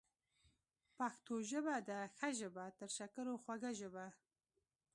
پښتو ژبه ده ښه ژبه، تر شکرو خوږه ژبه